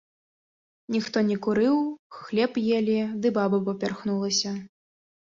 Ніхто не курыў, хлеб елі, ды баба папярхнулася.